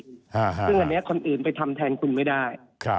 ซึ่งอันนี้คนอื่นไปทำแทนคุณไม่ได้